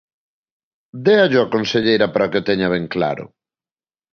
Déallo á conselleira para que o teña ben claro.